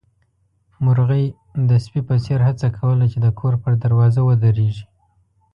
مرغۍ د سپي په څېر هڅه کوله چې د کور پر دروازه ودرېږي.